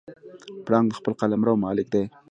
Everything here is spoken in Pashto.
پړانګ د خپل قلمرو مالک دی.